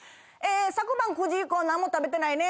昨晩９時以降何も食べてないね。